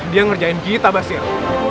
dia ngerjain kita blasir